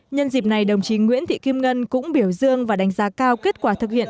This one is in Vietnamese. nhân dịp này đồng chí nguyễn thị kim ngân cũng biểu dương và đánh giá cao kết quả thực hiện